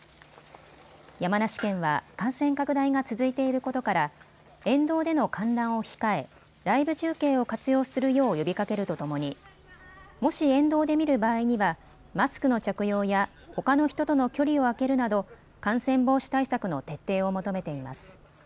山梨県は感染拡大が続いていることから沿道での観覧を控えライブ中継を活用するよう呼びかけるとともにもし沿道で見る場合にはマスクの着用や、ほかの人との距離を空けるなど感染防止対策の徹底を求めています。